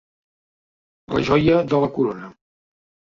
La joia de la corona.